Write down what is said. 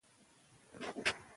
که تراشک وي نو پنسل نه پڅیږي.